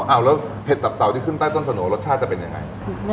อ้าวแล้วเผ็ดตับเต่าที่ขึ้นใต้ต้นสโนรสชาติจะเป็นยังไง